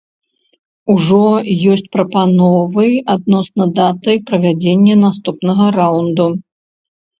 Ужо есць прапановы адносна даты правядзення наступнага раўнду.